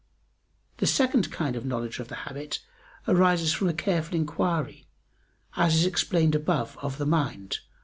The second kind of knowledge of the habit arises from a careful inquiry, as is explained above of the mind (A.